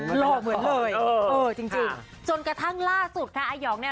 หล่อเหมือนเลยเออจริงจนกระทั่งล่าสุดค่ะอายองเนี่ย